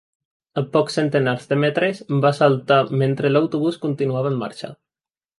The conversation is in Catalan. A pocs centenars de metres, va saltar mentre l'autobús continuava en marxa.